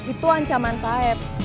itu ancaman saeb